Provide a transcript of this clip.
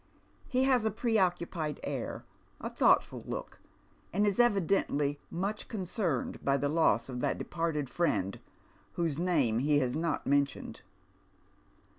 He has a preoccupied air, a thoughtful look, and is evidently nnich con cerned by the loss of that departed friend whoso name he has not mentioned.